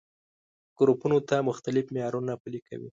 ګروپونو ته مختلف معيارونه پلي کوي.